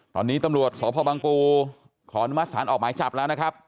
ตอนนี้ตำรวจศพรภังปูขอนมสันออกหมายจับแล้วนะครับ